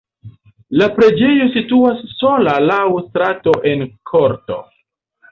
La preĝejo situas sola laŭ strato en korto.